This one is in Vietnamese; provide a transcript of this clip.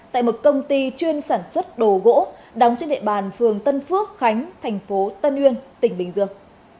tại một công ty chuyên sản xuất đồ gỗ đóng trên địa bàn phường tân phước khánh thành phố tân uyên tỉnh bình dương